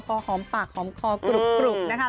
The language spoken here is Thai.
พอหอมปากหอมคอกรุบนะคะ